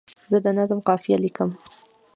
زه د نظم قافیه لیکم.